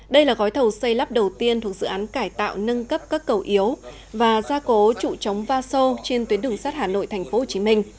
đây là gói thầu xây lắp đầu tiên thuộc dự án cải tạo nâng cấp các cầu yếu và gia cố trụ chống va sô trên tuyến đường sắt hà nội tp hcm